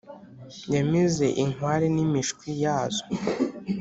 yamize inkware n’imishwi yazo